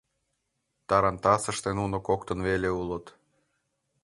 Тарантасыште нуно коктын веле улыт.